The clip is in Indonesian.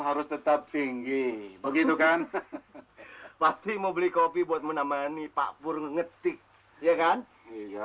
harus tetap tinggi begitu kan pasti mau beli kopi buat menemani pak pur ngetik ya kan iya